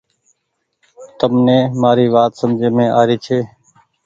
تم ني مآري وآت سمجهي مين آ ري ڇي۔